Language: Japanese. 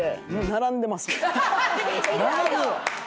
並ぶ